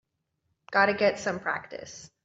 Got to get some practice.